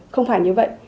không phải như vậy